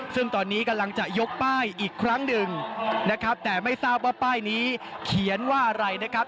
ซึ่งตอนนี้กำลังจะยกป้ายอีกครั้งหนึ่งนะครับแต่ไม่ทราบว่าป้ายนี้เขียนว่าอะไรนะครับ